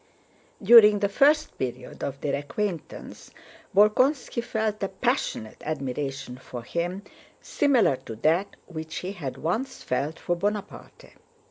During the first period of their acquaintance Bolkónski felt a passionate admiration for him similar to that which he had once felt for Bonaparte.